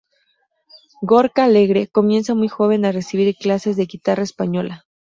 Gorka Alegre, comienza muy joven a recibir clases de guitarra española.